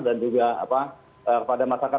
dan juga kepada masyarakat